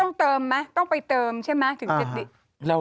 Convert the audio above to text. ต้องเติมไหมต้องไปเติมใช่ไหมถึงจะติด